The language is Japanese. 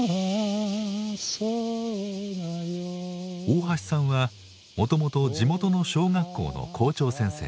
大橋さんはもともと地元の小学校の校長先生。